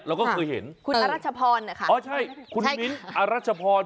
เราก็เคยเห็นคุณอรัชพรนะคะอ๋อใช่คุณมิ้นอรัชพร